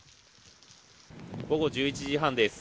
午後１１時半です。